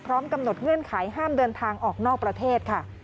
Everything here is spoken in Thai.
กำหนดเงื่อนไขห้ามเดินทางออกนอกประเทศค่ะ